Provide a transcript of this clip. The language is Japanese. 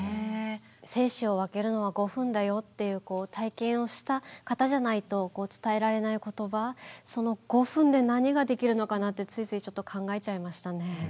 生死を分けるのは５分だよっていう体験をした方じゃないと伝えられない言葉その５分で何ができるのかなってついついちょっと考えちゃいましたね。